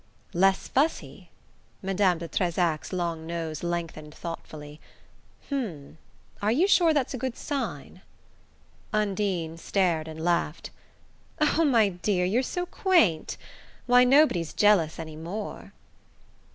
"Less fussy?" Madame de Trezac's long nose lengthened thoughtfully. "H'm are you sure that's a good sign?" Undine stared and laughed. "Oh, my dear, you're so quaint! Why, nobody's jealous any more."